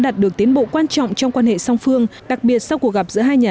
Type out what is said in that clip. đạt được tiến bộ quan trọng trong quan hệ song phương đặc biệt sau cuộc gặp giữa hai nhà